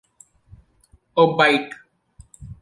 A bite.